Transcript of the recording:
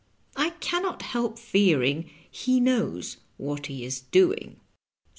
I can not help fearing he knows what he is do ing."